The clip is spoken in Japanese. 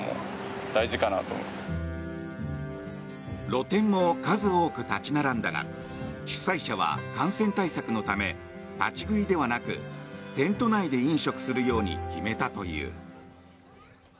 露店も数多く立ち並んだが主催者は感染対策のため立ち食いではなくテント内で飲食するように決めたという。